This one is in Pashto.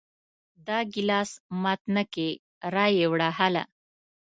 دا ګلاس مات نه کې را یې وړه هله!